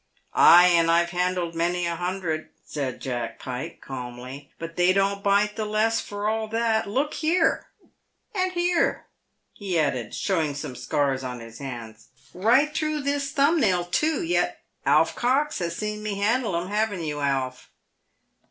" Ay, and I've handled many a hundred," said Jack Pike, calmly ; "but they don't bite the less for all that. Look here, and here," he added, showing some scars on his hands. " Bight through this thumb nail, too, yet Alf Cox has seen me handle 'em, hav'n't you, Alf?"